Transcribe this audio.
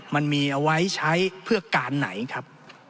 มันมีเอาไว้ใช้เพื่อการไหนครับ